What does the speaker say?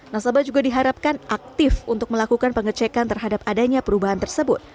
nasabah juga diharapkan aktif untuk melakukan pengecekan terhadap adanya perubahan tersebut